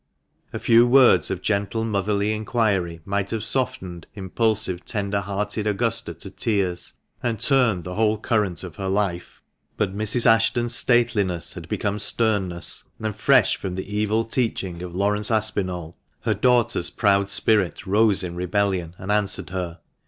A few words of gentle motherly inquiry might have softened impulsive, tender hearted Augusta to tears, and turned the whole current of her life ; but Mrs. Ashton's stateliness had become sternness, and, fresh from the evil teaching of Laurence Aspinall, her daughter's proud spirit rose in rebellion, and answered her.